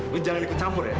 gue jangan ikut campur ya